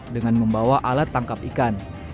dengan membawa alat tangkap ikan